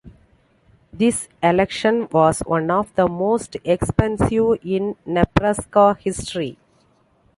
This election was one of the most expensive in Nebraska history.